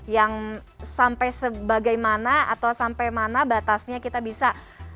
yang sampai sebagaimana atau sampai mana batasnya kita bisa